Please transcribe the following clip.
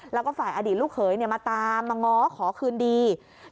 แล้วก็ฝ่ายอดีตลูกเขยมาตามมาง้อขอคืนดี